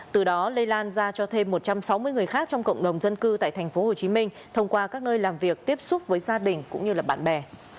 từ đó lây lan ra cho thêm một trăm sáu mươi người khác trong cộng đồng dân cư tại tp hcm thông qua các nơi làm việc tiếp xúc với gia đình cũng như bạn bè